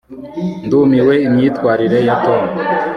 ndumiwe imyitwarire ya tom